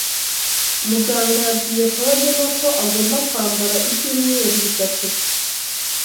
Muganga yabwiye Kabagema ko agomba kwambara ibyumweru bitatu.